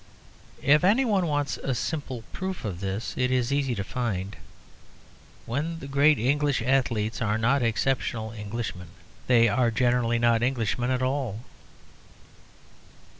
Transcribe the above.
If any one wants a simple proof of this, it is easy to find. When the great English athletes are not exceptional Englishmen they are generally not Englishmen at all.